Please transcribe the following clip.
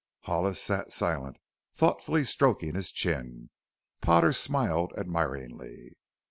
Hollis sat silent, thoughtfully stroking his chin. Potter smiled admiringly.